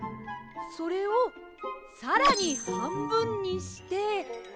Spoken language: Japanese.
それをさらにはんぶんにして。